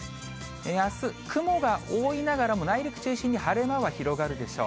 あす、雲が多いながらも内陸中心に晴れ間は広がるでしょう。